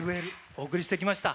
お送りしてきました。